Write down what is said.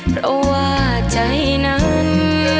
เพราะว่าใจนั้น